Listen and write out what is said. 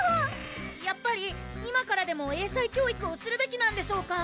やっぱり今からでも英才教育をするべきなんでしょうか？